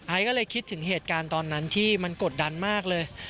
ก็เลยคิดถึงเหตุการณ์ตอนนั้นที่มันกดดันมากเลย